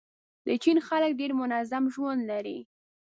د چین خلک ډېر منظم ژوند لري.